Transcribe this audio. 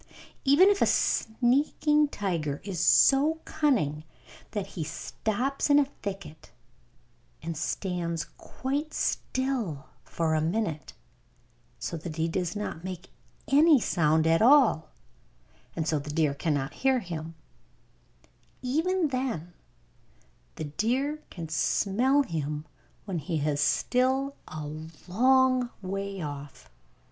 Even if a sneaking tiger is so cunning that he stops in a thicket and stands quite still for a minute, so that he does not make any sound at all, and so the deer cannot hear him, even then the deer can smell him when he is still a long way off.